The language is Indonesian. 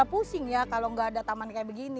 tapi pusing ya kalau tidak ada taman kayak begini